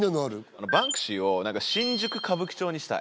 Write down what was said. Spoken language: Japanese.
「バンクシー」を「真珠く歌舞伎町」にしたい。